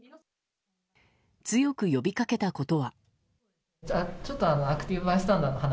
強く呼びかけたことは。